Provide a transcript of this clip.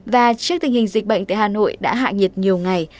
và trước tình hình dịch bệnh tại hà nội đã hạ nhiệt nhiều ngày